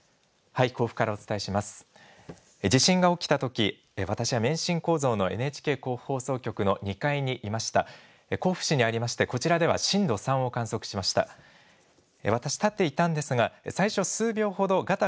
地震が起きたとき、私は免震構造のＮＨＫ甲府放送局の２階にいました。